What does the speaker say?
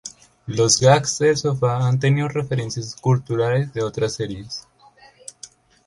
Los gags del sofá han tenido referencias culturales de otras series.